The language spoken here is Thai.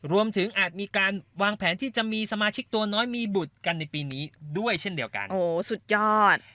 รวมถึงอาจมีการวางแผนที่จะมีสมาชิกตัวน้อยมีบุตรกันในปีนี้ด้วยเช่นเดียวกัน